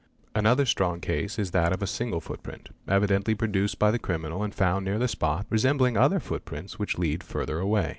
Another strong case is that of a single footprint, evidently produced by the criminal and found near the spot, resembling other footprints which lead further away.